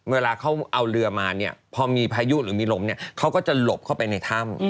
เวลาเขาเอาเรือมาเนี่ยพอมีพายุหรือมีลมเนี่ยเขาก็จะหลบเข้าไปในถ้ำ